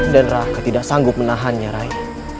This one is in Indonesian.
dan raka tidak sanggup menahannya rai